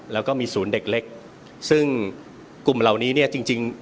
แล้วก็มีศูนย์เด็กเล็กซึ่งกลุ่มเหล่านี้เนี่ยจริงจริง